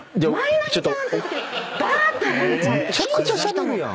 むちゃくちゃしゃべるやん。